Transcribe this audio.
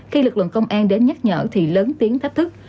khi lực lượng công an đến nhắc nhở thì lớn tiếng thách thức